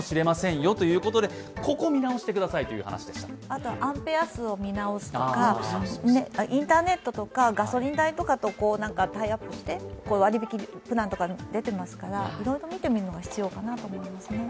あとアンペア数を見直すとかインターネットとかガソリン代とかとタイアップして割引きプランとか出ていますからいろいろ見てみるのも必要かなと思います。